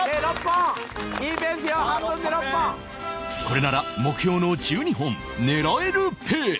これなら目標の１２本狙えるペース